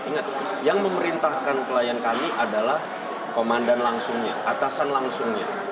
ingat yang memerintahkan klien kami adalah komandan langsungnya atasan langsungnya